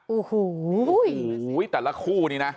โอ้โหแต่ละคู่นี้นะ